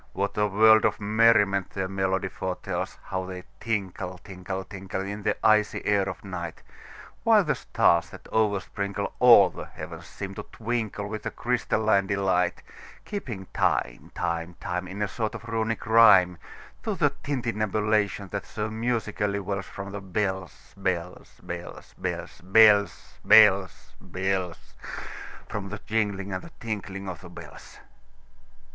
What a world of merriment their melody foretells! How they tinkle, tinkle, tinkle, In the icy air of night! While the stars, that oversprinkleAll the heavens, seem to twinkleWith a crystalline delight; Keeping time, time, time, In a sort of Runic rhyme, To the tintinnabulation that so musically wellsFrom the bells, bells, bells, bells, Bells, bells, bells—From the jingling and the tinkling of the bells.